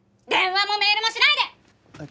電話もメールもしないで！